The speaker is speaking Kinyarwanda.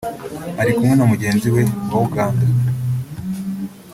Ari kumwe na mugenzi we wa Uganda